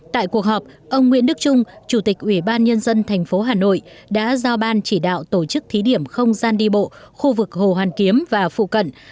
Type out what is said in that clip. tại cuộc họp ông nguyễn đức trung chủ tịch ủy ban nhân dân thành phố hà nội đã giao ban chỉ đạo tổ chức thí điểm không gian đi bộ khu vực hồ hoàn kiếm và phụ cận